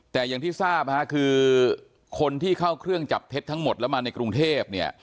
แต่อย่างที่ทราบคือคนที่เข้าเครื่องจับเท็จทั้งหมดแล้วมาในกรุงเทพเนี่ย